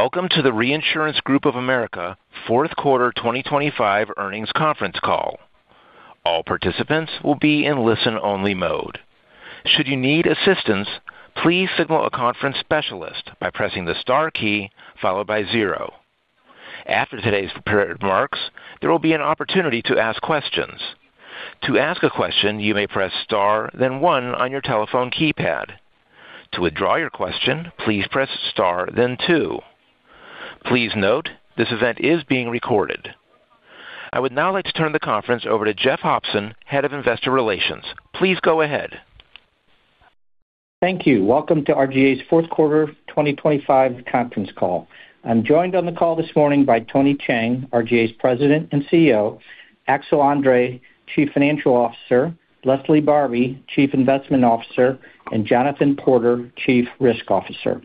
Welcome to the Reinsurance Group of America Fourth Quarter 2025 Earnings Conference Call. All participants will be in listen-only mode. Should you need assistance, please signal a conference specialist by pressing the star key followed by 0. After today's prepared remarks, there will be an opportunity to ask questions. To ask a question, you may press star then 1 on your telephone keypad. To withdraw your question, please press star then 2. Please note, this event is being recorded. I would now like to turn the conference over to Jeff Hopson, Head of Investor Relations. Please go ahead. Thank you. Welcome to RGA's fourth quarter 2025 conference call. I'm joined on the call this morning by Tony Cheng, RGA's President and CEO, Axel André, Chief Financial Officer, Leslie Barbi, Chief Investment Officer, and Jonathan Porter, Chief Risk Officer.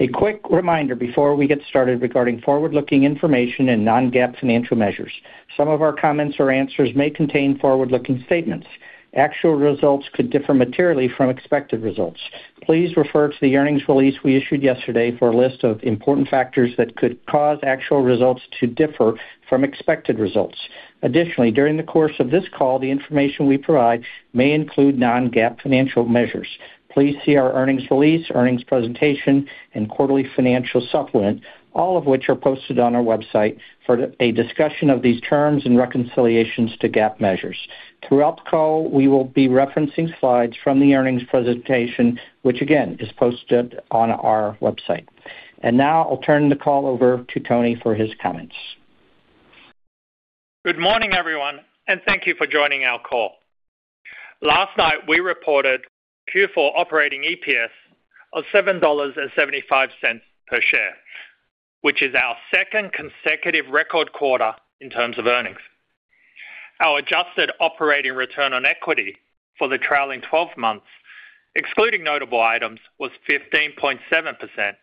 A quick reminder before we get started regarding forward-looking information and non-GAAP financial measures. Some of our comments or answers may contain forward-looking statements. Actual results could differ materially from expected results. Please refer to the earnings release we issued yesterday for a list of important factors that could cause actual results to differ from expected results. Additionally, during the course of this call, the information we provide may include non-GAAP financial measures. Please see our earnings release, earnings presentation, and quarterly financial supplement, all of which are posted on our website for a discussion of these terms and reconciliations to GAAP measures. Throughout the call, we will be referencing slides from the earnings presentation, which again is posted on our website. Now I'll turn the call over to Tony for his comments. Good morning, everyone, and thank you for joining our call. Last night we reported Q4 operating EPS of $7.75 per share, which is our second consecutive record quarter in terms of earnings. Our adjusted operating return on equity for the trailing 12 months, excluding notable items, was 15.7%,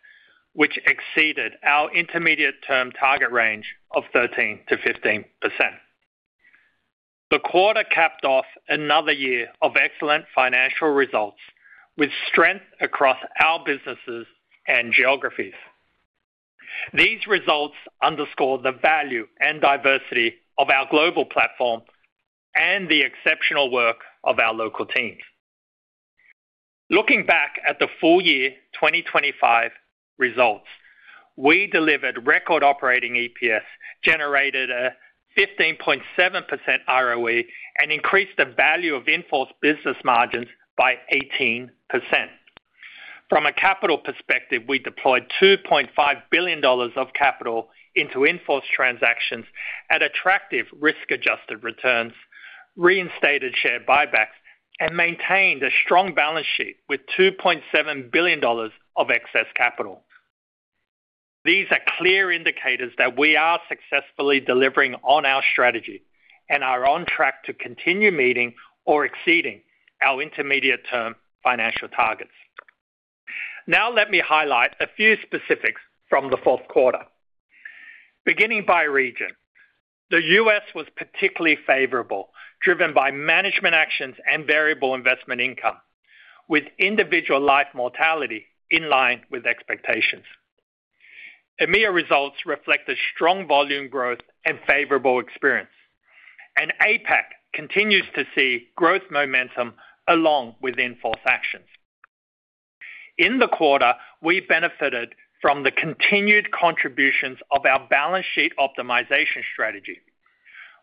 which exceeded our intermediate-term target range of 13%-15%. The quarter capped off another year of excellent financial results with strength across our businesses and geographies. These results underscore the value and diversity of our global platform and the exceptional work of our local teams. Looking back at the full year 2025 results, we delivered record operating EPS, generated a 15.7% ROE, and increased the value of in-force business margins by 18%. From a capital perspective, we deployed $2.5 billion of capital into in-force transactions at attractive risk-adjusted returns, reinstated share buybacks, and maintained a strong balance sheet with $2.7 billion of excess capital. These are clear indicators that we are successfully delivering on our strategy and are on track to continue meeting or exceeding our intermediate-term financial targets. Now let me highlight a few specifics from the fourth quarter. Beginning by region, the U.S. was particularly favorable, driven by management actions and variable investment income, with individual life mortality in line with expectations. EMEA results reflect a strong volume growth and favorable experience, and APAC continues to see growth momentum along with in-force actions. In the quarter, we benefited from the continued contributions of our balance sheet optimization strategy.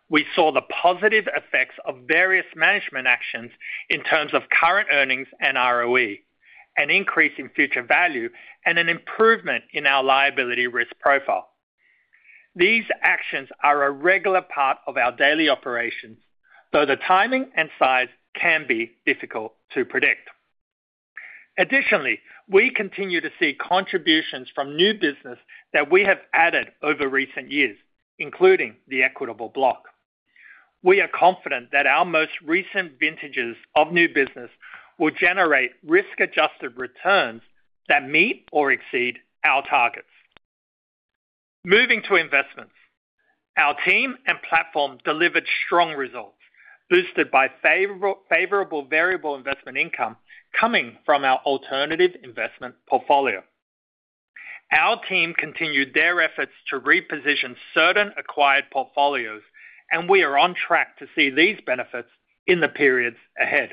We saw the positive effects of various management actions in terms of current earnings and ROE, an increase in future value, and an improvement in our liability risk profile. These actions are a regular part of our daily operations, though the timing and size can be difficult to predict. Additionally, we continue to see contributions from new business that we have added over recent years, including the Equitable block. We are confident that our most recent vintages of new business will generate risk-adjusted returns that meet or exceed our targets. Moving to investments, our team and platform delivered strong results, boosted by favorable variable investment income coming from our alternative investment portfolio. Our team continued their efforts to reposition certain acquired portfolios, and we are on track to see these benefits in the periods ahead.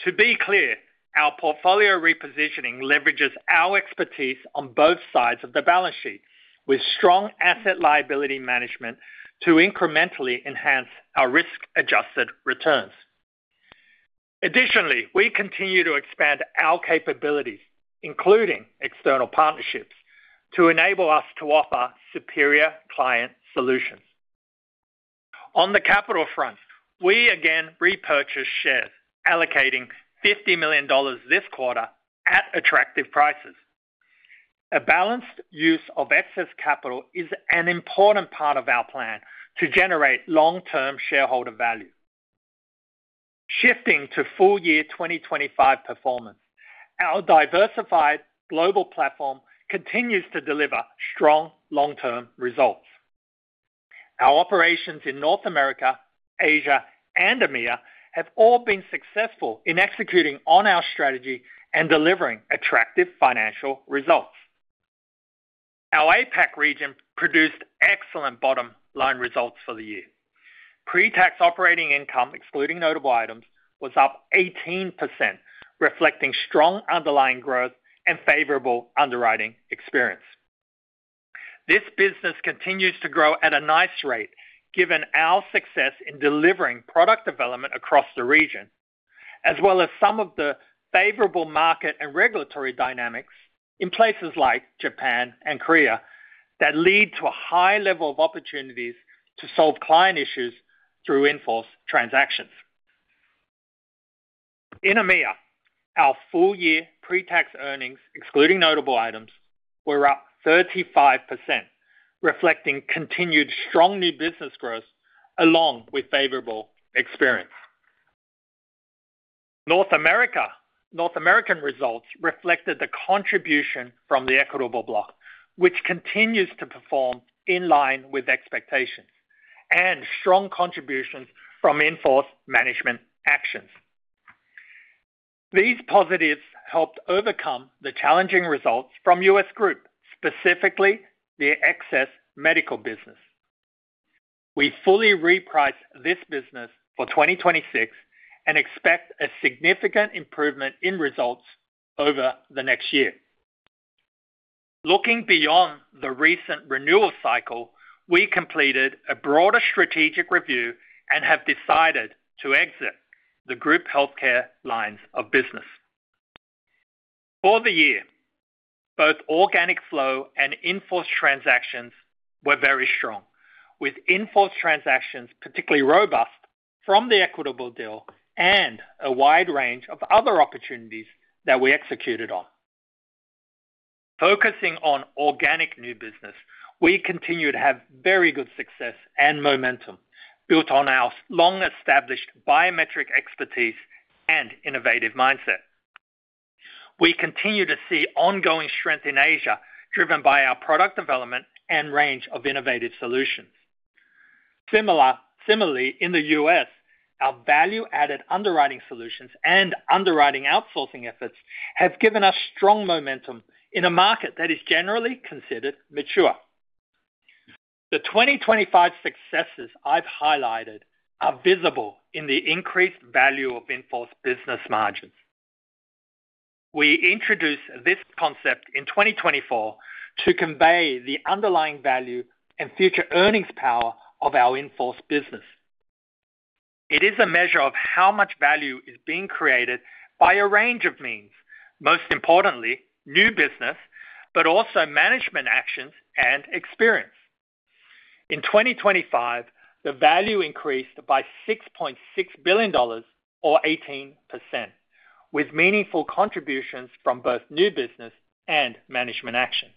To be clear, our portfolio repositioning leverages our expertise on both sides of the balance sheet, with strong asset liability management to incrementally enhance our risk-adjusted returns. Additionally, we continue to expand our capabilities, including external partnerships, to enable us to offer superior client solutions. On the capital front, we again repurchased shares, allocating $50 million this quarter at attractive prices. A balanced use of excess capital is an important part of our plan to generate long-term shareholder value. Shifting to full year 2025 performance, our diversified global platform continues to deliver strong long-term results. Our operations in North America, Asia, and EMEA have all been successful in executing on our strategy and delivering attractive financial results. Our APAC region produced excellent bottom-line results for the year. Pre-tax operating income, excluding notable items, was up 18%, reflecting strong underlying growth and favorable underwriting experience. This business continues to grow at a nice rate given our success in delivering product development across the region, as well as some of the favorable market and regulatory dynamics in places like Japan and Korea that lead to a high level of opportunities to solve client issues through in-force transactions. In EMEA, our full year pre-tax earnings, excluding notable items, were up 35%, reflecting continued strong new business growth along with favorable experience. North America's results reflected the contribution from the Equitable block, which continues to perform in line with expectations, and strong contributions from in-force management actions. These positives helped overcome the challenging results from U.S. Group, specifically the excess medical business. We fully repriced this business for 2026 and expect a significant improvement in results over the next year. Looking beyond the recent renewal cycle, we completed a broader strategic review and have decided to exit the group healthcare lines of business. For the year, both organic flow and in-force transactions were very strong, with in-force transactions particularly robust from the Equitable deal and a wide range of other opportunities that we executed on. Focusing on organic new business, we continue to have very good success and momentum built on our long-established biometric expertise and innovative mindset. We continue to see ongoing strength in Asia, driven by our product development and range of innovative solutions. Similarly, in the U.S., our value-added underwriting solutions and underwriting outsourcing efforts have given us strong momentum in a market that is generally considered mature. The 2025 successes I've highlighted are visible in the increased value of in-force business margins. We introduced this concept in 2024 to convey the underlying value and future earnings power of our in-force business. It is a measure of how much value is being created by a range of means, most importantly new business, but also management actions and experience. In 2025, the value increased by $6.6 billion or 18%, with meaningful contributions from both new business and management actions.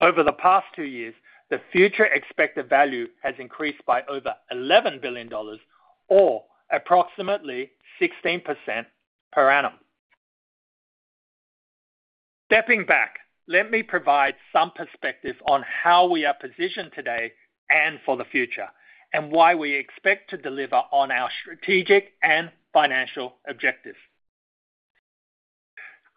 Over the past two years, the future expected value has increased by over $11 billion or approximately 16% per annum. Stepping back, let me provide some perspective on how we are positioned today and for the future, and why we expect to deliver on our strategic and financial objectives.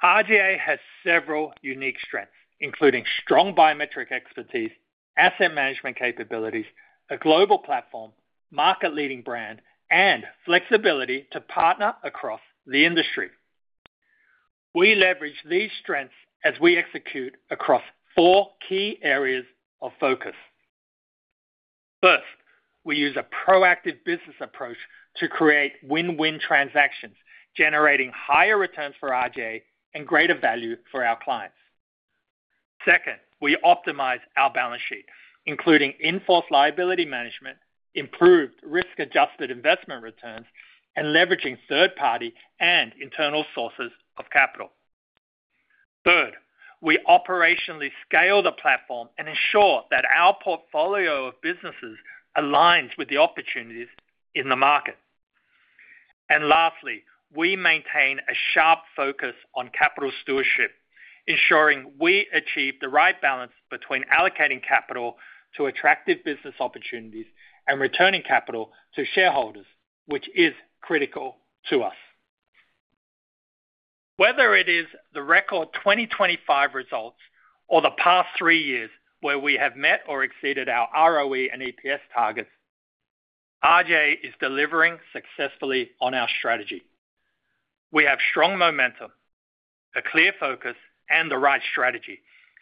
RGA has several unique strengths, including strong biometric expertise, asset management capabilities, a global platform, market-leading brand, and flexibility to partner across the industry. We leverage these strengths as we execute across four key areas of focus. First, we use a proactive business approach to create win-win transactions, generating higher returns for RGA and greater value for our clients. Second, we optimize our balance sheet, including in-force liability management, improved risk-adjusted investment returns, and leveraging third-party and internal sources of capital. Third, we operationally scale the platform and ensure that our portfolio of businesses aligns with the opportunities in the market. Lastly, we maintain a sharp focus on capital stewardship, ensuring we achieve the right balance between allocating capital to attractive business opportunities and returning capital to shareholders, which is critical to us. Whether it is the record 2025 results or the past three years where we have met or exceeded our ROE and EPS targets, RGA is delivering successfully on our strategy. We have strong momentum, a clear focus, and the right strategy,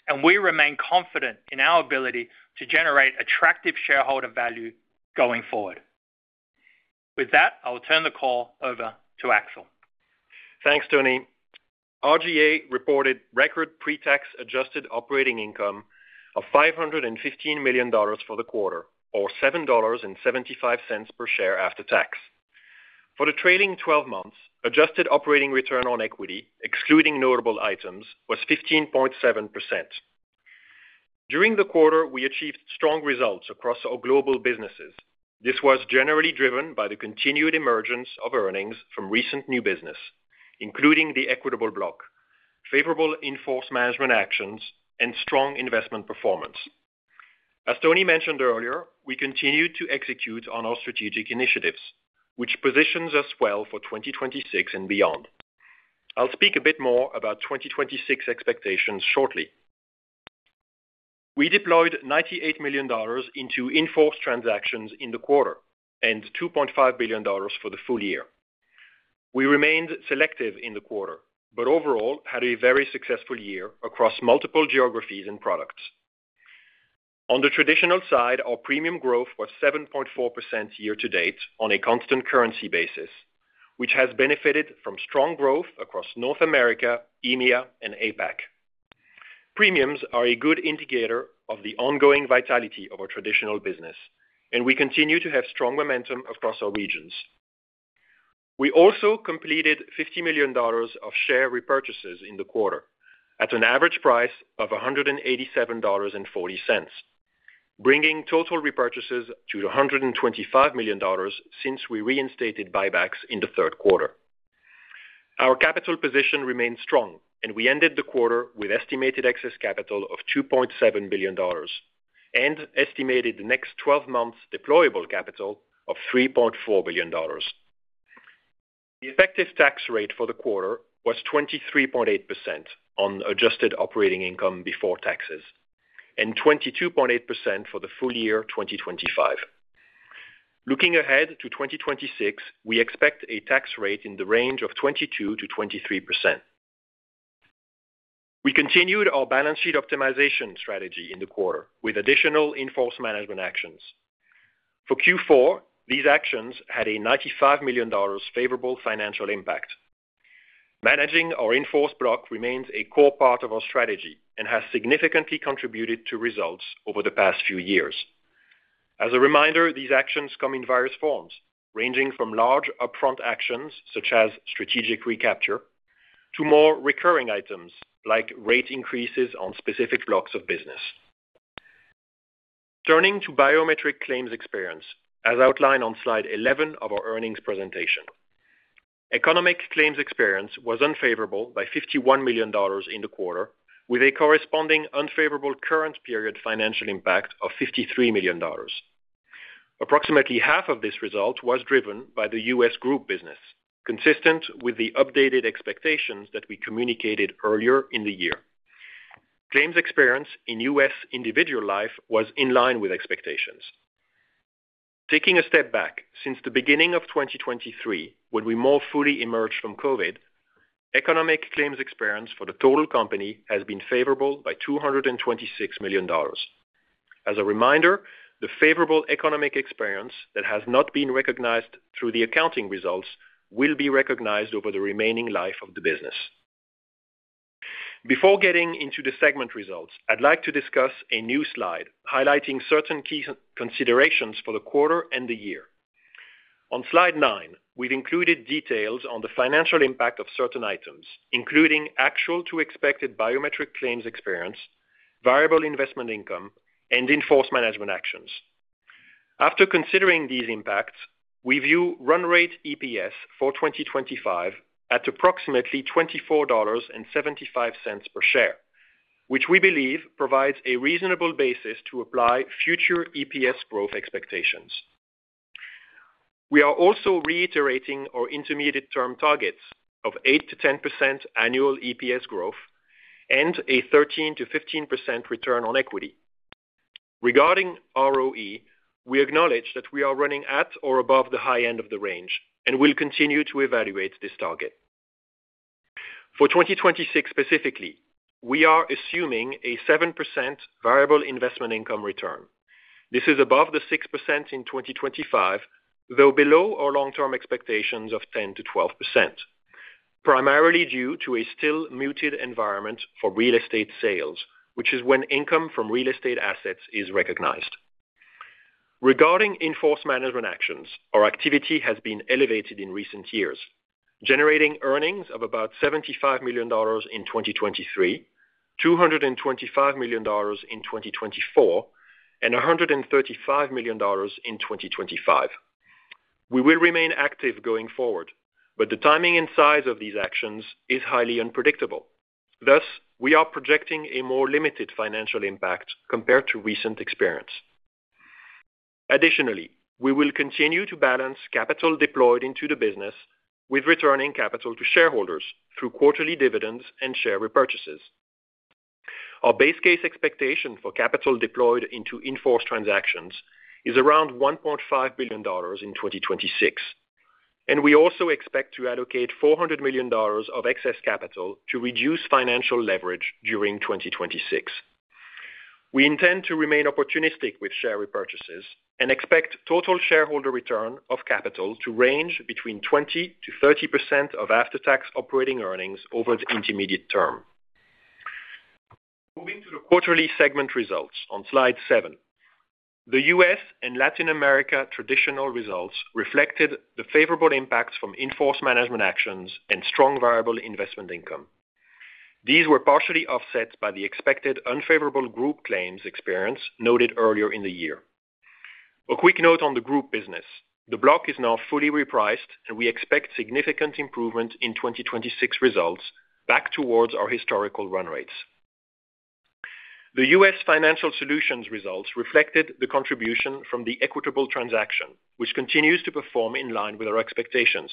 and we remain confident in our ability to generate attractive shareholder value going forward. With that, I will turn the call over to Axel. Thanks, Tony. RGA reported record pre-tax adjusted operating income of $515 million for the quarter, or $7.75 per share after tax. For the trailing 12 months, adjusted operating return on equity, excluding notable items, was 15.7%. During the quarter, we achieved strong results across our global businesses. This was generally driven by the continued emergence of earnings from recent new business, including the Equitable block, favorable in-force management actions, and strong investment performance. As Tony mentioned earlier, we continue to execute on our strategic initiatives, which positions us well for 2026 and beyond. I'll speak a bit more about 2026 expectations shortly. We deployed $98 million into in-force transactions in the quarter and $2.5 billion for the full year. We remained selective in the quarter, but overall had a very successful year across multiple geographies and products. On the traditional side, our premium growth was 7.4% year to date on a constant currency basis, which has benefited from strong growth across North America, EMEA, and APAC. Premiums are a good indicator of the ongoing vitality of our traditional business, and we continue to have strong momentum across our regions. We also completed $50 million of share repurchases in the quarter at an average price of $187.40, bringing total repurchases to $125 million since we reinstated buybacks in the third quarter. Our capital position remained strong, and we ended the quarter with estimated excess capital of $2.7 billion and estimated the next 12 months' deployable capital of $3.4 billion. The effective tax rate for the quarter was 23.8% on adjusted operating income before taxes, and 22.8% for the full year 2025. Looking ahead to 2026, we expect a tax rate in the range of 22%-23%. We continued our balance sheet optimization strategy in the quarter with additional in-force management actions. For Q4, these actions had a $95 million favorable financial impact. Managing our in-force block remains a core part of our strategy and has significantly contributed to results over the past few years. As a reminder, these actions come in various forms, ranging from large upfront actions such as strategic recapture to more recurring items like rate increases on specific blocks of business. Turning to biometric claims experience, as outlined on slide 11 of our earnings presentation, economic claims experience was unfavorable by $51 million in the quarter, with a corresponding unfavorable current period financial impact of $53 million. Approximately half of this result was driven by the U.S. Group business, consistent with the updated expectations that we communicated earlier in the year. Claims experience in U.S. Individual Life was in line with expectations. Taking a step back, since the beginning of 2023, when we more fully emerged from COVID, economic claims experience for the total company has been favorable by $226 million. As a reminder, the favorable economic experience that has not been recognized through the accounting results will be recognized over the remaining life of the business. Before getting into the segment results, I'd like to discuss a new slide highlighting certain key considerations for the quarter and the year. On slide 9, we've included details on the financial impact of certain items, including actual to expected biometric claims experience, variable investment income, and in-force management actions. After considering these impacts, we view run rate EPS for 2025 at approximately $24.75 per share, which we believe provides a reasonable basis to apply future EPS growth expectations. We are also reiterating our intermediate-term targets of 8%-10% annual EPS growth and a 13%-15% return on equity. Regarding ROE, we acknowledge that we are running at or above the high end of the range and will continue to evaluate this target. For 2026 specifically, we are assuming a 7% variable investment income return. This is above the 6% in 2025, though below our long-term expectations of 10%-12%, primarily due to a still muted environment for real estate sales, which is when income from real estate assets is recognized. Regarding in-force management actions, our activity has been elevated in recent years, generating earnings of about $75 million in 2023, $225 million in 2024, and $135 million in 2025. We will remain active going forward, but the timing and size of these actions is highly unpredictable. Thus, we are projecting a more limited financial impact compared to recent experience. Additionally, we will continue to balance capital deployed into the business with returning capital to shareholders through quarterly dividends and share repurchases. Our base case expectation for capital deployed into in-force transactions is around $1.5 billion in 2026, and we also expect to allocate $400 million of excess capital to reduce financial leverage during 2026. We intend to remain opportunistic with share repurchases and expect total shareholder return of capital to range between 20%-30% of after-tax operating earnings over the intermediate term. Moving to the quarterly segment results on slide 7, the U.S. and Latin America traditional results reflected the favorable impacts from in-force management actions and strong variable investment income. These were partially offset by the expected unfavorable group claims experience noted earlier in the year. A quick note on the group business: the block is now fully repriced, and we expect significant improvement in 2026 results back towards our historical run rates. The U.S. Financial Solutions results reflected the contribution from the Equitable transaction, which continues to perform in line with our expectations.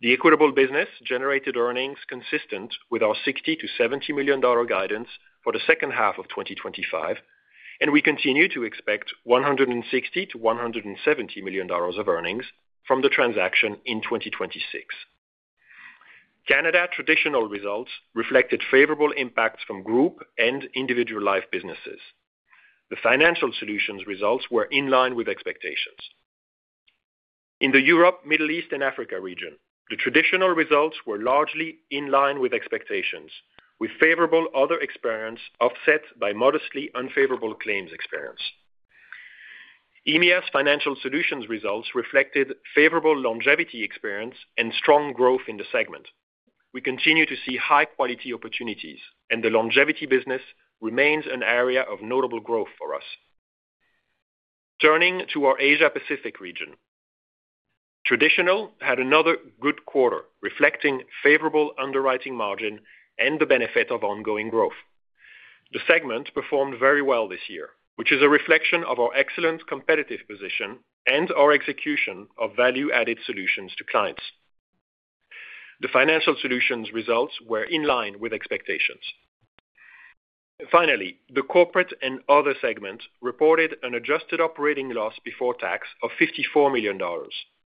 The Equitable business generated earnings consistent with our $60 million-$70 million guidance for the second half of 2025, and we continue to expect $160 million-$170 million of earnings from the transaction in 2026. Canada Traditional results reflected favorable impacts from group and individual life businesses. The Financial Solutions results were in line with expectations. In the Europe, Middle East, and Africa region, the traditional results were largely in line with expectations, with favorable other experience offset by modestly unfavorable claims experience. EMEA's Financial Solutions results reflected favorable longevity experience and strong growth in the segment. We continue to see high-quality opportunities, and the longevity business remains an area of notable growth for us. Turning to our Asia-Pacific region, traditional had another good quarter, reflecting favorable underwriting margin and the benefit of ongoing growth. The segment performed very well this year, which is a reflection of our excellent competitive position and our execution of value-added solutions to clients. The Financial Solutions results were in line with expectations. Finally, the Corporate and Other segment reported an adjusted operating loss before tax of $54 million,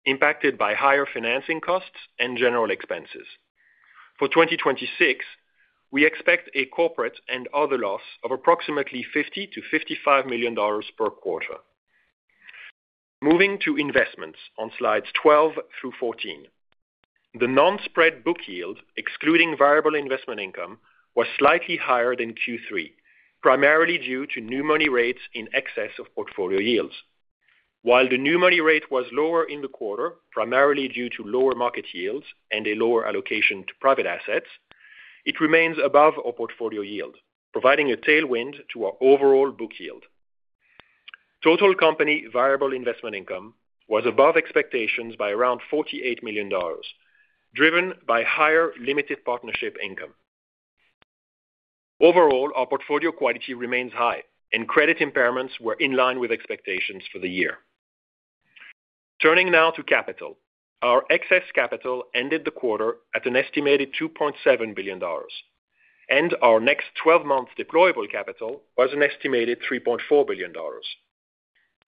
impacted by higher financing costs and general expenses. For 2026, we expect a Corporate and Other loss of approximately $50 million-$55 million per quarter. Moving to investments on slides 12 through 14, the non-spread book yield, excluding variable investment income, was slightly higher than Q3, primarily due to new money rates in excess of portfolio yields. While the new money rate was lower in the quarter, primarily due to lower market yields and a lower allocation to private assets, it remains above our portfolio yield, providing a tailwind to our overall book yield. Total company variable investment income was above expectations by around $48 million, driven by higher limited partnership income. Overall, our portfolio quality remains high, and credit impairments were in line with expectations for the year. Turning now to capital, our Excess Capital ended the quarter at an estimated $2.7 billion, and our next 12 months' deployable capital was an estimated $3.4 billion.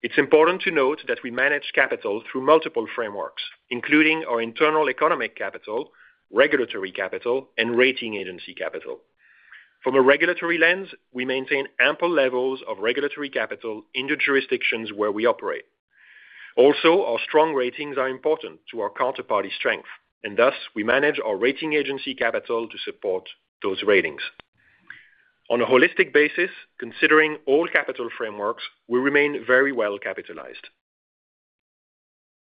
It's important to note that we manage capital through multiple frameworks, including our internal economic capital, regulatory capital, and rating agency capital. From a regulatory lens, we maintain ample levels of regulatory capital in the jurisdictions where we operate. Also, our strong ratings are important to our counterparty strength, and thus we manage our rating agency capital to support those ratings. On a holistic basis, considering all capital frameworks, we remain very well capitalized.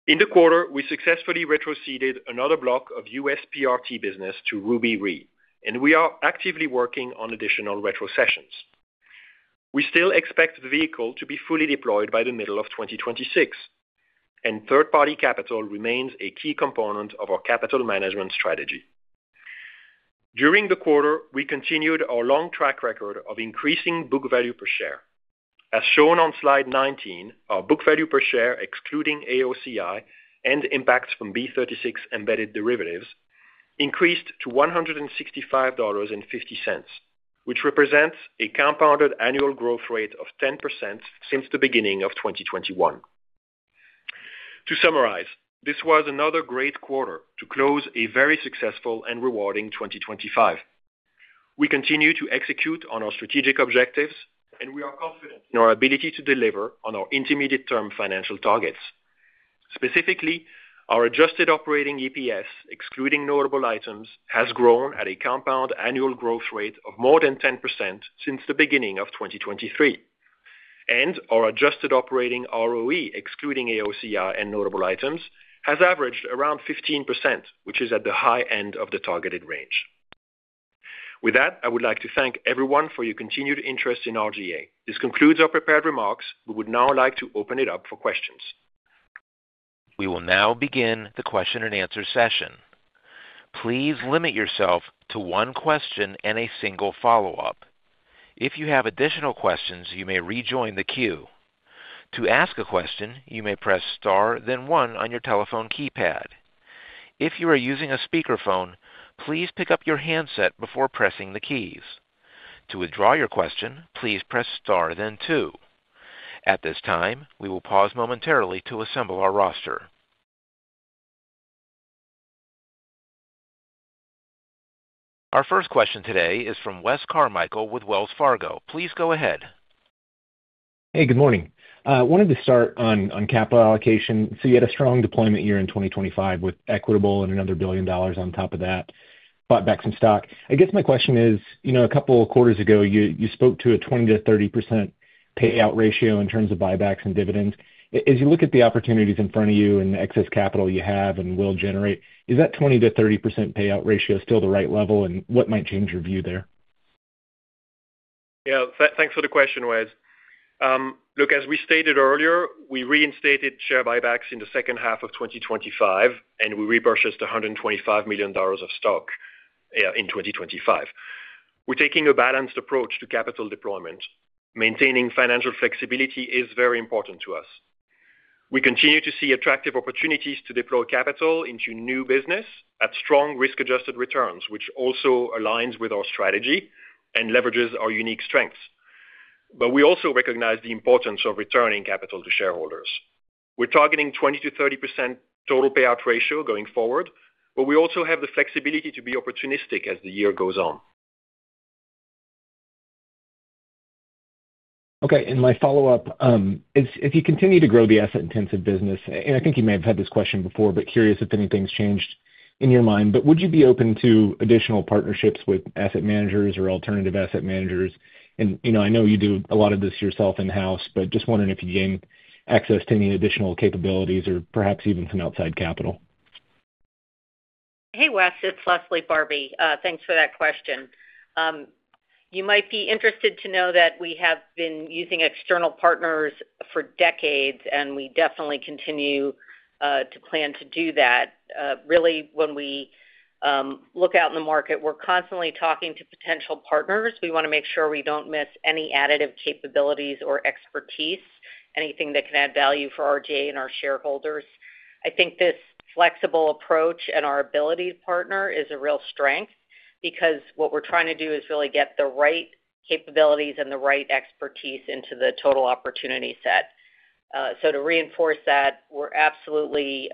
In the quarter, we successfully retroceded another block of U.S. PRT business to Ruby Re, and we are actively working on additional retrocessions. We still expect the vehicle to be fully deployed by the middle of 2026, and third-party capital remains a key component of our capital management strategy. During the quarter, we continued our long track record of increasing book value per share. As shown on slide 19, our book value per share, excluding AOCI and impacts from B36 embedded derivatives, increased to $165.50, which represents a compounded annual growth rate of 10% since the beginning of 2021. To summarize, this was another great quarter to close a very successful and rewarding 2025. We continue to execute on our strategic objectives, and we are confident in our ability to deliver on our intermediate-term financial targets. Specifically, our adjusted operating EPS, excluding notable items, has grown at a compound annual growth rate of more than 10% since the beginning of 2023, and our adjusted operating ROE, excluding AOCI and notable items, has averaged around 15%, which is at the high end of the targeted range. With that, I would like to thank everyone for your continued interest in RGA. This concludes our prepared remarks. We would now like to open it up for questions. We will now begin the question-and-answer session. Please limit yourself to one question and a single follow-up. If you have additional questions, you may rejoin the queue. To ask a question, you may press * then 1 on your telephone keypad. If you are using a speakerphone, please pick up your handset before pressing the keys. To withdraw your question, please press * then 2. At this time, we will pause momentarily to assemble our roster. Our first question today is from Wes Carmichael with Wells Fargo. Please go ahead. Hey, good morning. I wanted to start on capital allocation. So you had a strong deployment year in 2025 with Equitable and another $1 billion on top of that, bought back some stock. I guess my question is, a couple of quarters ago, you spoke to a 20%-30% payout ratio in terms of buybacks and dividends. As you look at the opportunities in front of you and the excess capital you have and will generate, is that 20%-30% payout ratio still the right level, and what might change your view there? Yeah, thanks for the question, Wes. Look, as we stated earlier, we reinstated share buybacks in the second half of 2025, and we repurchased $125 million of stock in 2025. We're taking a balanced approach to capital deployment. Maintaining financial flexibility is very important to us. We continue to see attractive opportunities to deploy capital into new business at strong risk-adjusted returns, which also aligns with our strategy and leverages our unique strengths. But we also recognize the importance of returning capital to shareholders. We're targeting 20%-30% total payout ratio going forward, but we also have the flexibility to be opportunistic as the year goes on. Okay. And my follow-up, if you continue to grow the asset-intensive business and I think you may have had this question before, but curious if anything's changed in your mind. But would you be open to additional partnerships with asset managers or alternative asset managers? And I know you do a lot of this yourself in-house, but just wondering if you gain access to any additional capabilities or perhaps even some outside capital. Hey, Wes. It's Leslie Barbi. Thanks for that question. You might be interested to know that we have been using external partners for decades, and we definitely continue to plan to do that. Really, when we look out in the market, we're constantly talking to potential partners. We want to make sure we don't miss any additive capabilities or expertise, anything that can add value for RGA and our shareholders. I think this flexible approach and our ability to partner is a real strength because what we're trying to do is really get the right capabilities and the right expertise into the total opportunity set. So to reinforce that, we're absolutely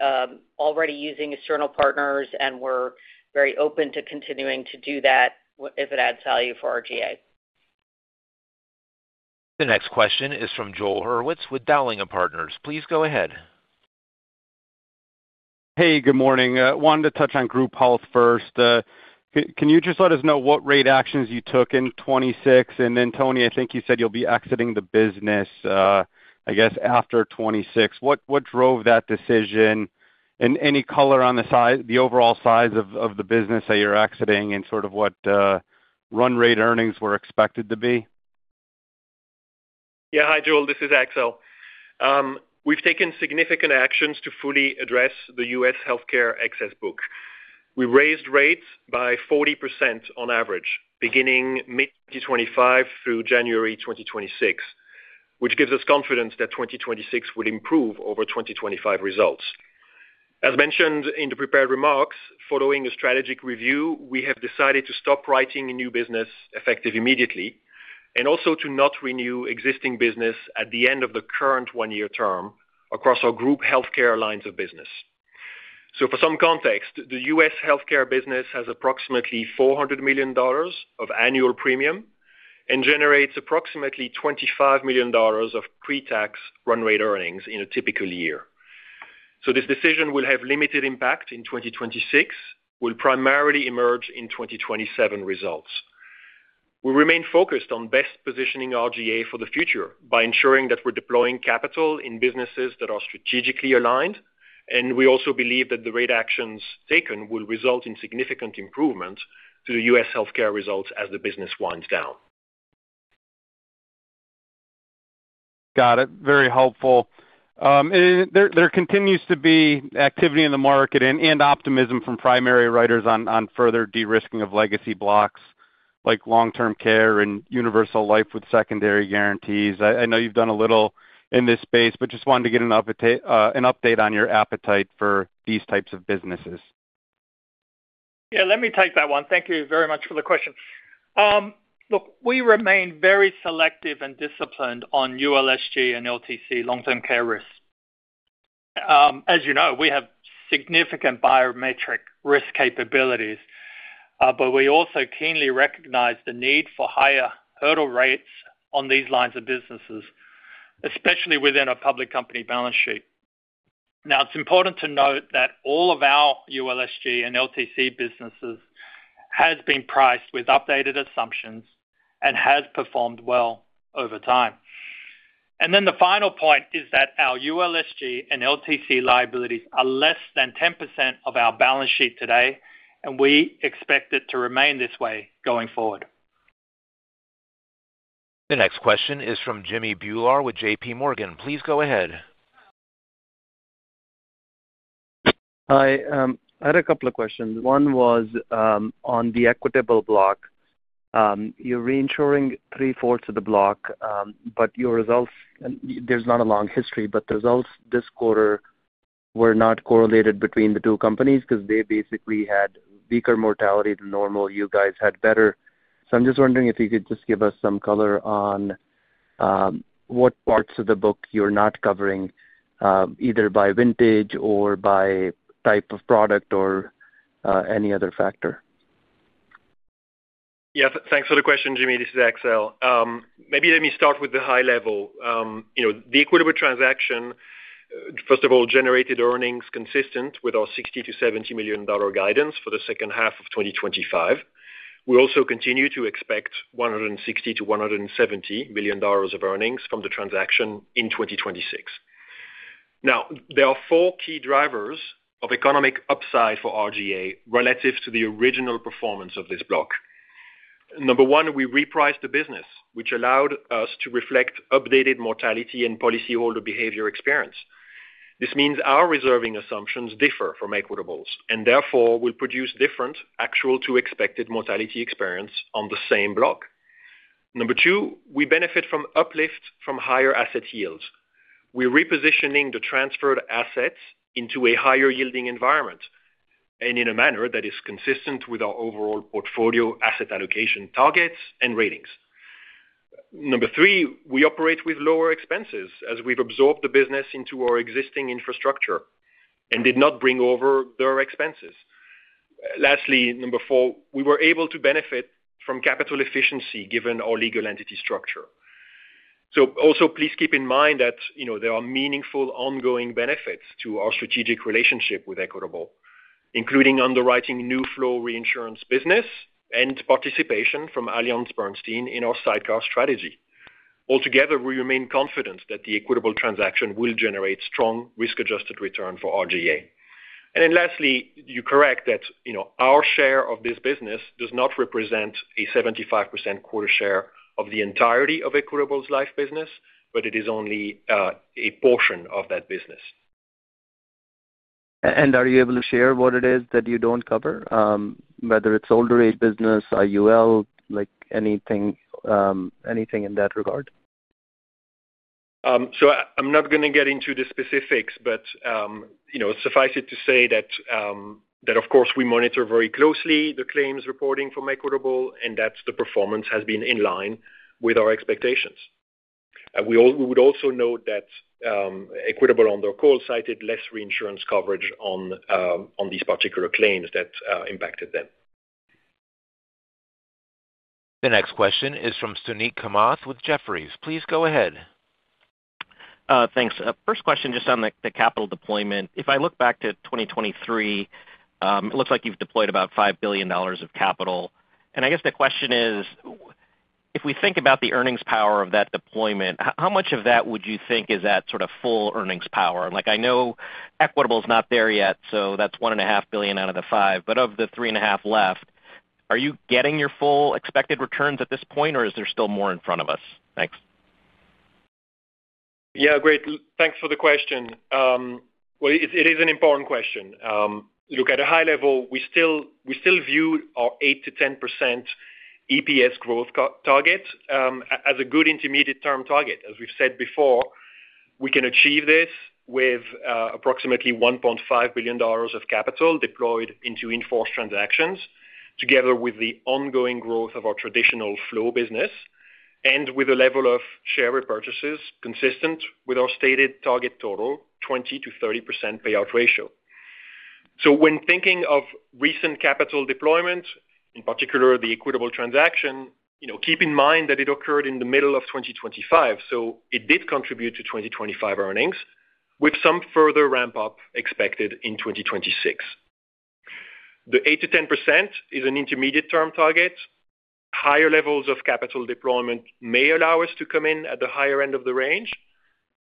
already using external partners, and we're very open to continuing to do that if it adds value for RGA. The next question is from Joel Hurwitz with Dowling & Partners. Please go ahead. Hey, good morning. Wanted to touch on group health first. Can you just let us know what rate actions you took in 2026? And then, Tony, I think you said you'll be exiting the business, I guess, after 2026. What drove that decision? And any color on the overall size of the business that you're exiting and sort of what run rate earnings were expected to be? Yeah, hi, Joel. This is Axel. We've taken significant actions to fully address the U.S. healthcare excess book. We raised rates by 40% on average, beginning mid-2025 through January 2026, which gives us confidence that 2026 will improve over 2025 results. As mentioned in the prepared remarks, following a strategic review, we have decided to stop writing new business effective immediately and also to not renew existing business at the end of the current one-year term across our group healthcare lines of business. So for some context, the U.S. healthcare business has approximately $400 million of annual premium and generates approximately $25 million of pre-tax run rate earnings in a typical year. So this decision will have limited impact in 2026, will primarily emerge in 2027 results. We remain focused on best positioning RGA for the future by ensuring that we're deploying capital in businesses that are strategically aligned, and we also believe that the rate actions taken will result in significant improvement to the U.S. healthcare results as the business winds down. Got it. Very helpful. There continues to be activity in the market and optimism from primary writers on further de-risking of legacy blocks like long-term care and universal life with secondary guarantees. I know you've done a little in this space, but just wanted to get an update on your appetite for these types of businesses. Yeah, let me take that one. Thank you very much for the question. Look, we remain very selective and disciplined on ULSG and LTC long-term care risk. As you know, we have significant biometric risk capabilities, but we also keenly recognize the need for higher hurdle rates on these lines of businesses, especially within a public company balance sheet. Now, it's important to note that all of our ULSG and LTC businesses have been priced with updated assumptions and have performed well over time. And then the final point is that our ULSG and LTC liabilities are less than 10% of our balance sheet today, and we expect it to remain this way going forward. The next question is from Jimmy Bhullar with J.P. Morgan. Please go ahead. Hi. I had a couple of questions. One was on the Equitable block. You're reinsuring 3/4 of the block, but your results, and there's not a long history, but the results this quarter were not correlated between the two companies because they basically had weaker mortality than normal. You guys had better. So I'm just wondering if you could just give us some color on what parts of the book you're not covering, either by vintage or by type of product or any other factor. Yeah, thanks for the question, Jimmy. This is Axel. Maybe let me start with the high level. The Equitable transaction, first of all, generated earnings consistent with our $60 million-$70 million guidance for the second half of 2025. We also continue to expect $160 million-$170 million of earnings from the transaction in 2026. Now, there are four key drivers of economic upside for RGA relative to the original performance of this block. Number one, we repriced the business, which allowed us to reflect updated mortality and policyholder behavior experience. This means our reserving assumptions differ from Equitable's, and therefore, will produce different actual-to-expected mortality experience on the same block. Number two, we benefit from uplift from higher asset yields. We're repositioning the transferred assets into a higher-yielding environment and in a manner that is consistent with our overall portfolio asset allocation targets and ratings. Number three, we operate with lower expenses as we've absorbed the business into our existing infrastructure and did not bring over their expenses. Lastly, number four, we were able to benefit from capital efficiency given our legal entity structure. So also, please keep in mind that there are meaningful ongoing benefits to our strategic relationship with Equitable, including underwriting new flow reinsurance business and participation from AllianceBernstein in our sidecar strategy. Altogether, we remain confident that the Equitable transaction will generate strong risk-adjusted return for RGA. And then lastly, to correct that our share of this business does not represent a 75% quota share of the entirety of Equitable's life business, but it is only a portion of that business. And are you able to share what it is that you don't cover, whether it's older age business, IUL, anything in that regard? So I'm not going to get into the specifics, but it suffices to say that, of course, we monitor very closely the claims reporting from Equitable, and that the performance has been in line with our expectations. We would also note that Equitable on their call cited less reinsurance coverage on these particular claims that impacted them. The next question is from Suneet Kamath with Jefferies. Please go ahead. Thanks. First question, just on the capital deployment. If I look back to 2023, it looks like you've deployed about $5 billion of capital. And I guess the question is, if we think about the earnings power of that deployment, how much of that would you think is at sort of full earnings power? I know Equitable's not there yet, so that's $1.5 billion out of the $5 billion. Of the $3.5 billion left, are you getting your full expected returns at this point, or is there still more in front of us? Thanks. Yeah, great. Thanks for the question. Well, it is an important question. Look, at a high level, we still view our 8%-10% EPS growth target as a good intermediate-term target. As we've said before, we can achieve this with approximately $1.5 billion of capital deployed into in-force transactions together with the ongoing growth of our traditional flow business and with a level of share repurchases consistent with our stated target total 20%-30% payout ratio. When thinking of recent capital deployment, in particular the Equitable transaction, keep in mind that it occurred in the middle of 2025. So it did contribute to 2025 earnings, with some further ramp-up expected in 2026. The 8%-10% is an intermediate-term target. Higher levels of capital deployment may allow us to come in at the higher end of the range.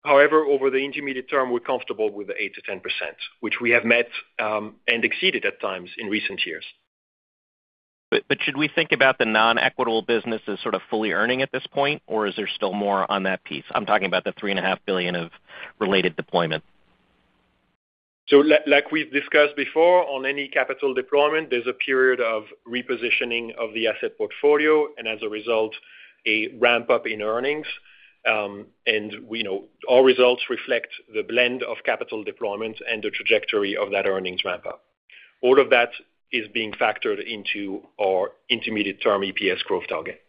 However, over the intermediate term, we're comfortable with the 8%-10%, which we have met and exceeded at times in recent years. But should we think about the non-Equitable business as sort of fully earning at this point, or is there still more on that piece? I'm talking about the $3.5 billion of related deployment. So like we've discussed before, on any capital deployment, there's a period of repositioning of the asset portfolio and, as a result, a ramp-up in earnings. And our results reflect the blend of capital deployment and the trajectory of that earnings ramp-up. All of that is being factored into our intermediate-term EPS growth target.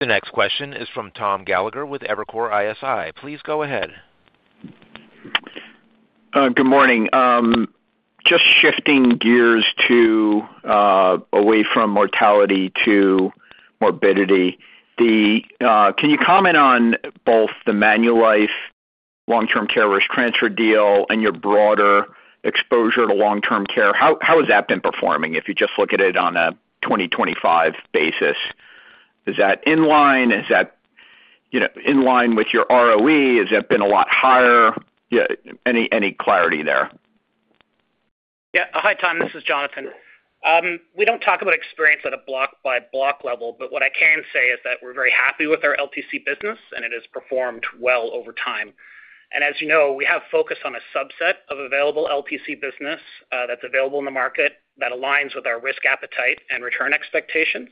The next question is from Tom Gallagher with Evercore ISI. Please go ahead. Good morning. Just shifting gears away from mortality to morbidity, can you comment on both the Manulife long-term care risk transfer deal, and your broader exposure to long-term care? How has that been performing if you just look at it on a 2025 basis? Is that in line? Is that in line with your ROE? Has that been a lot higher? Any clarity there? Yeah, hi, Tom. This is Jonathan. We don't talk about experience at a block-by-block level, but what I can say is that we're very happy with our LTC business, and it has performed well over time. And as you know, we have focus on a subset of available LTC business that's available in the market that aligns with our risk appetite and return expectations.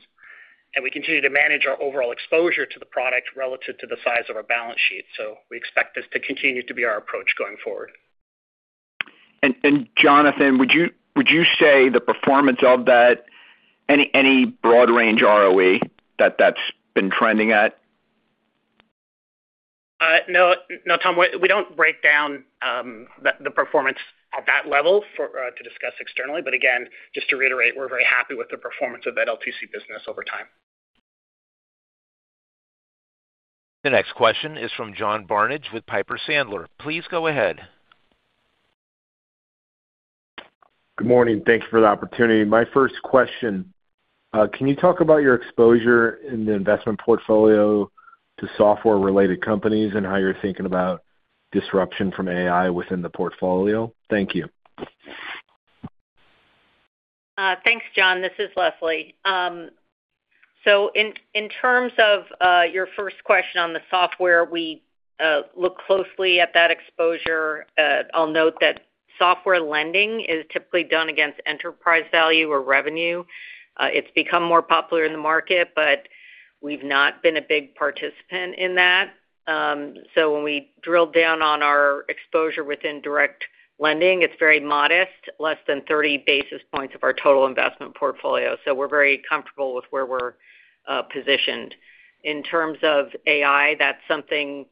We continue to manage our overall exposure to the product relative to the size of our balance sheet. We expect this to continue to be our approach going forward. Jonathan, would you say the performance of that any broad-range ROE that that's been trending at? No, Tom. We don't break down the performance at that level to discuss externally. But again, just to reiterate, we're very happy with the performance of that LTC business over time. The next question is from John Barnidge with Piper Sandler. Please go ahead. Good morning. Thank you for the opportunity. My first question, can you talk about your exposure in the investment portfolio to software-related companies and how you're thinking about disruption from AI within the portfolio? Thank you. Thanks, John. This is Leslie. In terms of your first question on the software, we look closely at that exposure. I'll note that software lending is typically done against enterprise value or revenue. It's become more popular in the market, but we've not been a big participant in that. So when we drill down on our exposure within direct lending, it's very modest, less than 30 basis points of our total investment portfolio. So we're very comfortable with where we're positioned. In terms of AI, that's something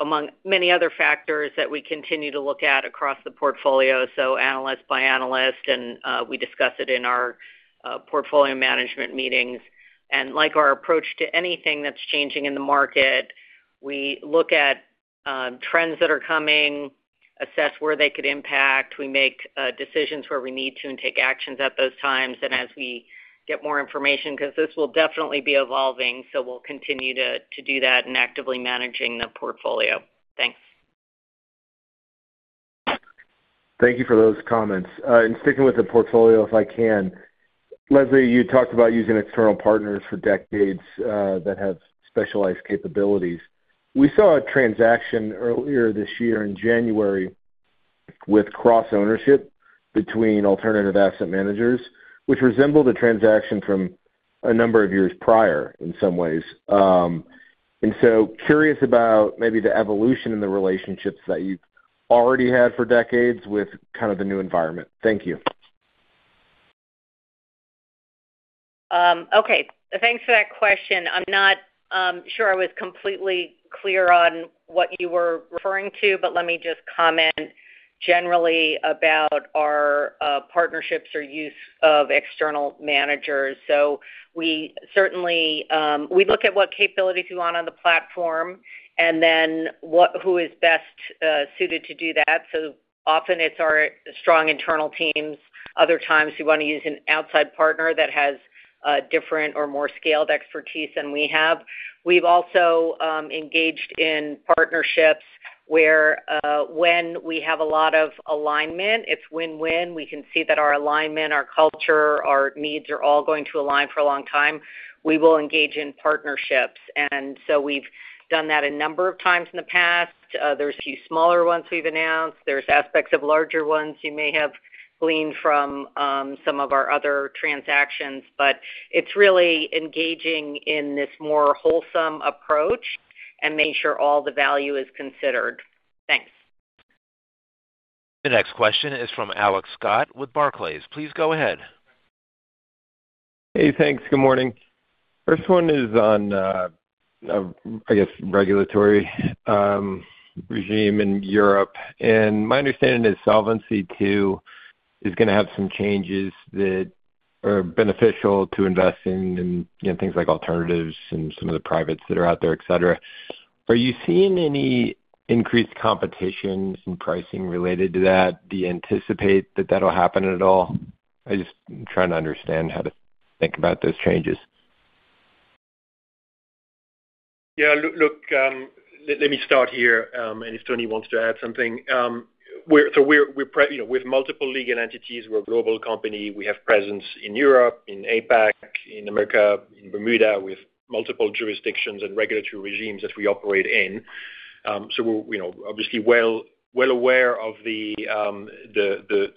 among many other factors that we continue to look at across the portfolio, so analyst by analyst, and we discuss it in our portfolio management meetings. And like our approach to anything that's changing in the market, we look at trends that are coming, assess where they could impact. We make decisions where we need to and take actions at those times. As we get more information because this will definitely be evolving, so we'll continue to do that and actively managing the portfolio. Thanks. Thank you for those comments. Sticking with the portfolio, if I can, Leslie, you talked about using external partners for decades that have specialized capabilities. We saw a transaction earlier this year in January with cross-ownership between alternative asset managers, which resembled a transaction from a number of years prior in some ways. So curious about maybe the evolution in the relationships that you've already had for decades with kind of the new environment. Thank you. Okay. Thanks for that question. I'm not sure I was completely clear on what you were referring to, but let me just comment generally about our partnerships or use of external managers. So we look at what capabilities we want on the platform and then who is best suited to do that. So often, it's our strong internal teams. Other times, we want to use an outside partner that has different or more scaled expertise than we have. We've also engaged in partnerships where when we have a lot of alignment, it's win-win. We can see that our alignment, our culture, our needs are all going to align for a long time. We will engage in partnerships. And so we've done that a number of times in the past. There's a few smaller ones we've announced. There's aspects of larger ones you may have gleaned from some of our other transactions. But it's really engaging in this more wholesome approach and making sure all the value is considered. Thanks. The next question is from Alex Scott with Barclays. Please go ahead. Hey, thanks. Good morning. First one is on, I guess, regulatory regime in Europe. My understanding is Solvency II is going to have some changes that are beneficial to investing in things like alternatives and some of the privates that are out there, etc. Are you seeing any increased competition in pricing related to that? Do you anticipate that that'll happen at all? I'm just trying to understand how to think about those changes. Yeah. Look, let me start here. If Tony wants to add something. We're with multiple legal entities. We're a global company. We have presence in Europe, in APAC, in America, in Bermuda, with multiple jurisdictions and regulatory regimes that we operate in. So we're obviously well aware of the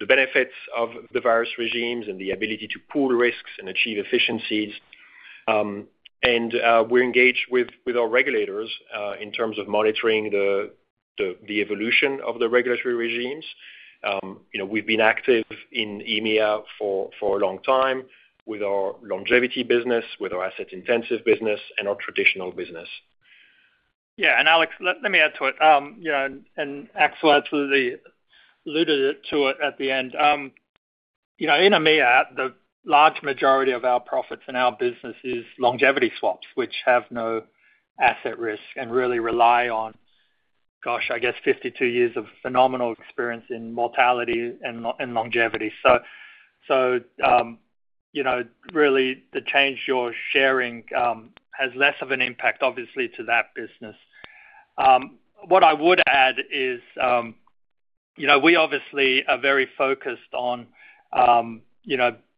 benefits of the various regimes and the ability to pool risks and achieve efficiencies. And we're engaged with our regulators in terms of monitoring the evolution of the regulatory regimes. We've been active in EMEA for a long time with our longevity business, with our asset-intensive business, and our traditional business. Yeah. And Alex, let me add to it. And Axel absolutely alluded to it at the end. In EMEA, the large majority of our profits in our business is longevity swaps, which have no asset risk and really rely on, gosh, I guess, 52 years of phenomenal experience in mortality and longevity. So really, the change you're sharing has less of an impact, obviously, to that business. What I would add is we obviously are very focused on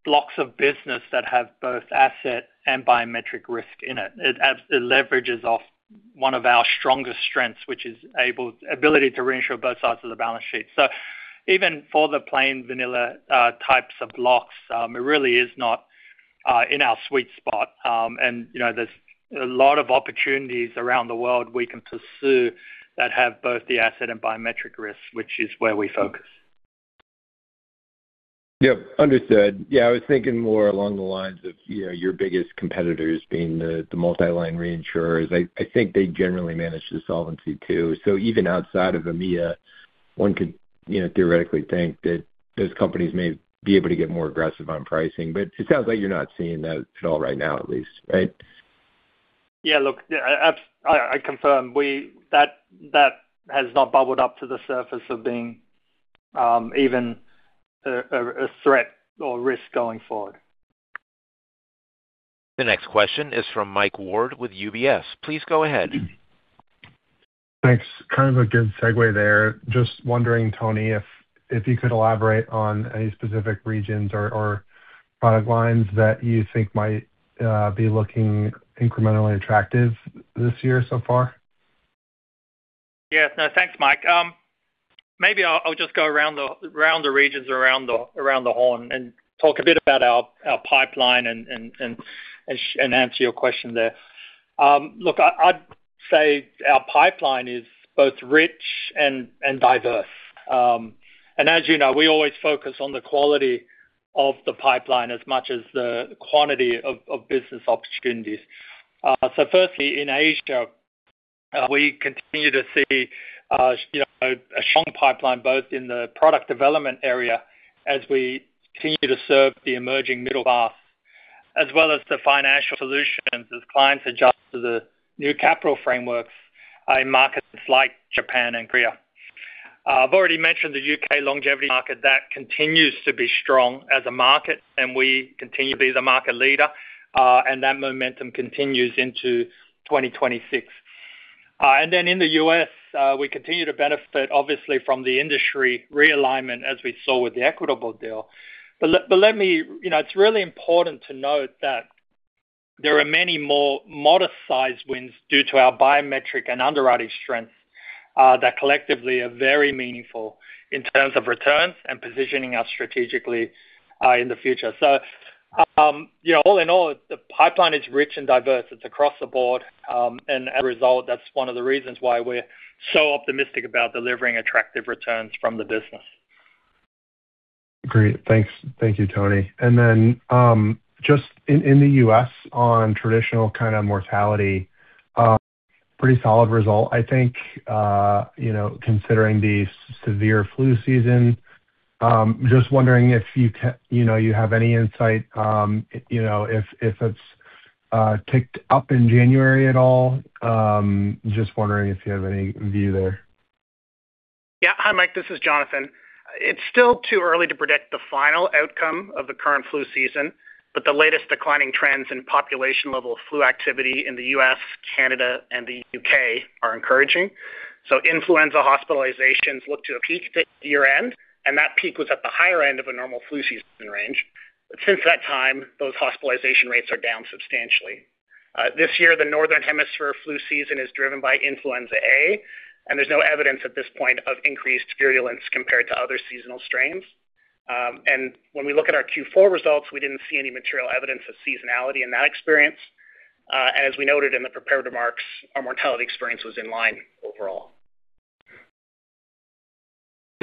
blocks of business that have both asset and biometric risk in it. It leverages off one of our strongest strengths, which is ability to reinsure both sides of the balance sheet. So even for the plain vanilla types of blocks, it really is not in our sweet spot. And there's a lot of opportunities around the world we can pursue that have both the asset and biometric risk, which is where we focus. Yep, understood. Yeah, I was thinking more along the lines of your biggest competitors being the multiline reinsurers. I think they generally manage the Solvency II. So even outside of EMEA, one could theoretically think that those companies may be able to get more aggressive on pricing. But it sounds like you're not seeing that at all right now, at least, right? Yeah. Look, I confirm. That has not bubbled up to the surface of being even a threat or risk going forward. The next question is from Mike Ward with UBS. Please go ahead. Thanks. Kind of a good segue there. Just wondering, Tony, if you could elaborate on any specific regions or product lines that you think might be looking incrementally attractive this year so far? Yes. No, thanks, Mike. Maybe I'll just go around the regions around the horn and talk a bit about our pipeline and answer your question there. Look, I'd say our pipeline is both rich and diverse. And as you know, we always focus on the quality of the pipeline as much as the quantity of business opportunities. So firstly, in Asia, we continue to see a strong pipeline both in the product development area as we continue to serve the emerging middle class, as well as the Financial Solutions as clients adjust to the new capital frameworks in markets like Japan and Korea. I've already mentioned the U.K. longevity market. That continues to be strong as a market, and we continue to be the market leader. That momentum continues into 2026. Then in the U.S., we continue to benefit, obviously, from the industry realignment as we saw with the Equitable deal. But let me, it's really important to note that there are many more modest-sized wins due to our biometric and underwriting strengths that collectively are very meaningful in terms of returns and positioning us strategically in the future. So all in all, the pipeline is rich and diverse. It's across the board. And as a result, that's one of the reasons why we're so optimistic about delivering attractive returns from the business. Great. Thank you, Tony. Then just in the U.S. on traditional kind of mortality. Pretty solid result, I think, considering the severe flu season. Just wondering if you have any insight if it's ticked up in January at all? Just wondering if you have any view there? Yeah. Hi, Mike. This is Jonathan. It's still too early to predict the final outcome of the current flu season, but the latest declining trends in population-level flu activity in the U.S., Canada, and the U.K. are encouraging. So influenza hospitalizations look to a peak year-end, and that peak was at the higher end of a normal flu season range. But since that time, those hospitalization rates are down substantially. This year, the northern hemisphere flu season is driven by influenza A, and there's no evidence at this point of increased virulence compared to other seasonal strains. And when we look at our Q4 results, we didn't see any material evidence of seasonality in that experience. As we noted in the preparatory remarks, our mortality experience was in line overall.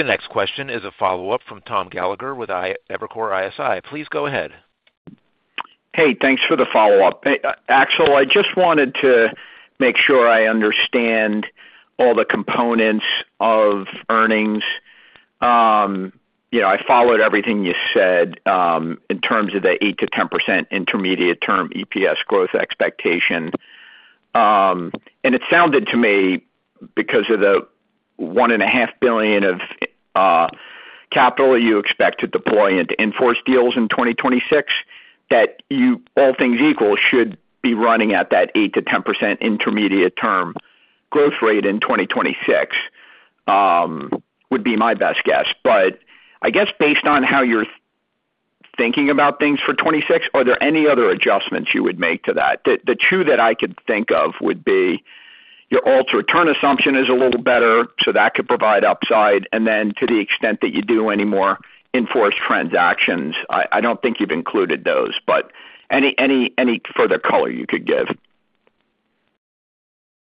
The next question is a follow-up from Tom Gallagher with Evercore ISI. Please go ahead. Hey, thanks for the follow-up. Axel, I just wanted to make sure I understand all the components of earnings. I followed everything you said in terms of the 8%-10% intermediate-term EPS growth expectation. And it sounded to me, because of the $1.5 billion of capital you expect to deploy into in-force deals in 2026, that you, all things equal, should be running at that 8%-10% intermediate-term growth rate in 2026 would be my best guess. But I guess based on how you're thinking about things for 2026, are there any other adjustments you would make to that? The two that I could think of would be your alternative return assumption is a little better, so that could provide upside. Then to the extent that you do any more in-force transactions, I don't think you've included those, but any further color you could give.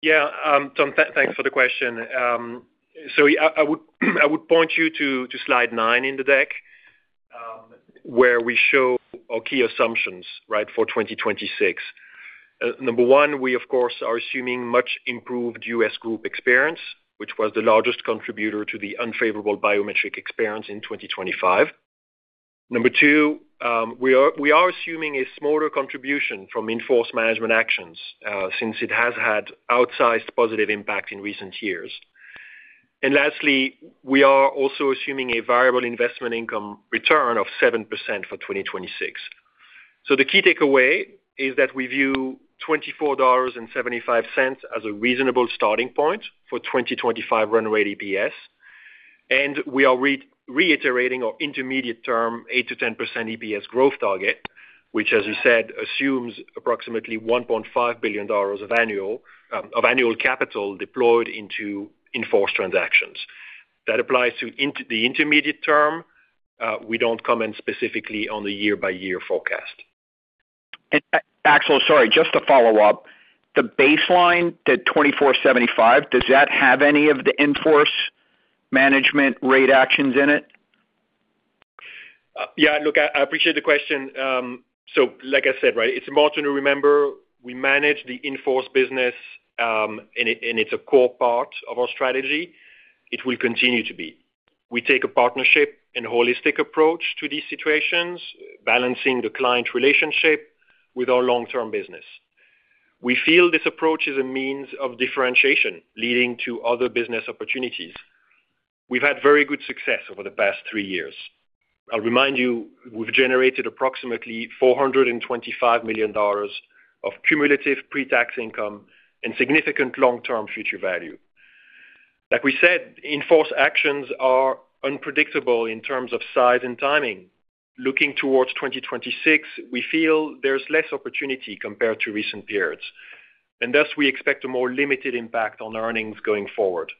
Yeah. Tom, thanks for the question. So I would point you to slide 9 in the deck where we show our key assumptions, right, for 2026. Number one, we, of course, are assuming much improved U.S. Group experience, which was the largest contributor to the unfavorable biometric experience in 2025. Number two, we are assuming a smaller contribution from in-force management actions since it has had outsized positive impact in recent years. And lastly, we are also assuming a variable investment income return of 7% for 2026. So the key takeaway is that we view $24.75 as a reasonable starting point for 2025 runway EPS. And we are reiterating our intermediate-term 8%-10% EPS growth target, which, as you said, assumes approximately $1.5 billion of annual capital deployed into in-force transactions. That applies to the intermediate term. We don't comment specifically on the year-by-year forecast. Axel, sorry, just a follow-up. The baseline, the 24.75, does that have any of the in-force management rate actions in it? Yeah. Look, I appreciate the question. So like I said, right, it's important to remember we manage the in-force business, and it's a core part of our strategy. It will continue to be. We take a partnership and holistic approach to these situations, balancing the client relationship with our long-term business. We feel this approach is a means of differentiation leading to other business opportunities. We've had very good success over the past three years. I'll remind you, we've generated approximately $425 million of cumulative pre-tax income and significant long-term future value. Like we said, in-force actions are unpredictable in terms of size and timing. Looking towards 2026, we feel there's less opportunity compared to recent periods. And thus, we expect a more limited impact on earnings going forward.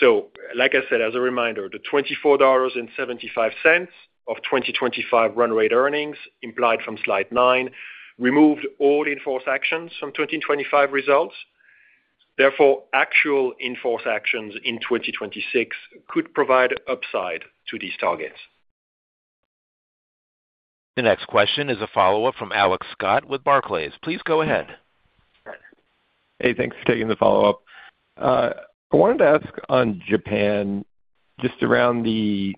So like I said, as a reminder, the $24.75 of 2025 run-rate earnings implied from slide 9 removed all in-force actions from 2025 results. Therefore, actual in-force actions in 2026 could provide upside to these targets. The next question is a follow-up from Alex Scott with Barclays. Please go ahead. Hey, thanks for taking the follow-up. I wanted to ask on Japan, just around the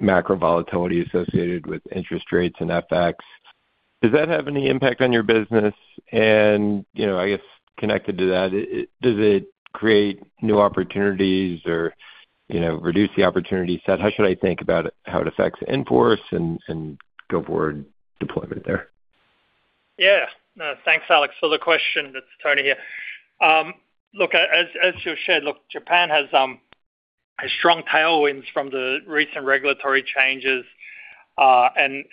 macro volatility associated with interest rates and FX, does that have any impact on your business? I guess connected to that, does it create new opportunities or reduce the opportunity set? How should I think about how it affects in-force and go-forward deployment there? Yeah. Thanks, Alex, for the question. That's Tony here. Look, as you've shared, look, Japan has strong tailwinds from the recent regulatory changes and,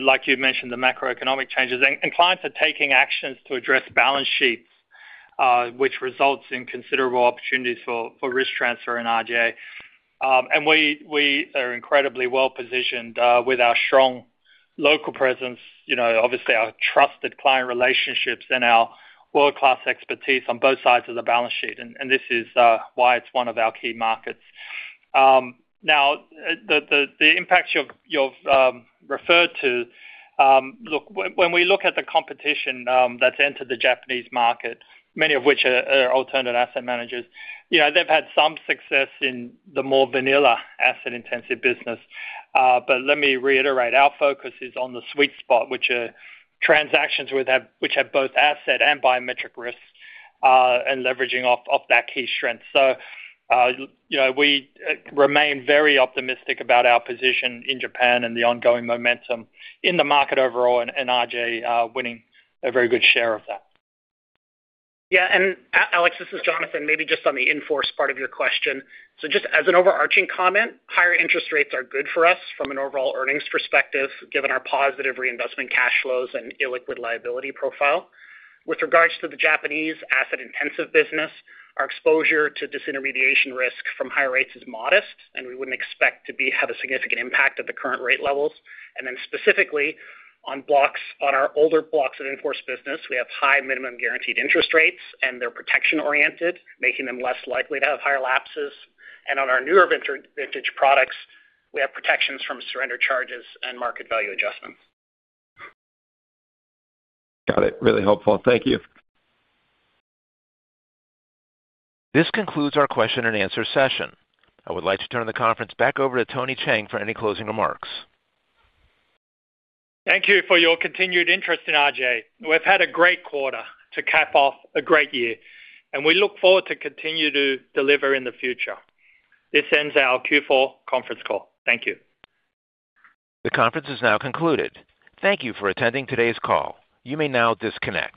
like you mentioned, the macroeconomic changes. Clients are taking actions to address balance sheets, which results in considerable opportunities for risk transfer in RGA. We are incredibly well-positioned with our strong local presence, obviously, our trusted client relationships, and our world-class expertise on both sides of the balance sheet. This is why it's one of our key markets. Now, the impacts you've referred to, look, when we look at the competition that's entered the Japanese market, many of which are alternative asset managers, they've had some success in the more vanilla asset-intensive business. But let me reiterate, our focus is on the sweet spot, which are transactions which have both asset and biometric risks and leveraging off that key strength. So we remain very optimistic about our position in Japan and the ongoing momentum in the market overall and RGA winning a very good share of that. Yeah. And Alex, this is Jonathan, maybe just on the in-force part of your question. So just as an overarching comment, higher interest rates are good for us from an overall earnings perspective, given our positive reinvestment cash flows and illiquid liability profile. With regards to the Japanese asset-intensive business, our exposure to disintermediation risk from higher rates is modest, and we wouldn't expect to have a significant impact at the current rate levels. And then specifically on our older blocks of in-force business, we have high minimum guaranteed interest rates, and they're protection-oriented, making them less likely to have higher lapses. And on our newer vintage products, we have protections from surrender charges and market value adjustments. Got it. Really helpful. Thank you. This concludes our question-and-answer session. I would like to turn the conference back over to Tony Cheng for any closing remarks. Thank you for your continued interest in RGA. We've had a great quarter to cap off a great year, and we look forward to continue to deliver in the future. This ends our Q4 conference call. Thank you. The conference is now concluded. Thank you for attending today's call. You may now disconnect.